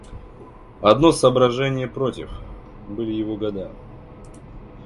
Одно соображение против — были его года.